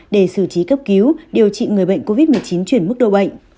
để xử trí cấp cứu điều trị người bệnh covid một mươi chín chuyển mức độ bệnh